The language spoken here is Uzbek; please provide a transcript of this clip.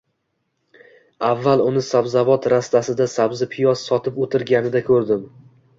Avval uni sabzavot rastasida sabzi-piyoz sotib o‘tirg‘anida ko‘rdim